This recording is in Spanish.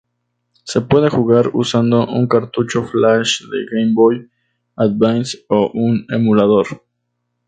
Se puede jugar usando un cartucho flash de Game Boy Advance o un emulador.